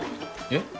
えっ？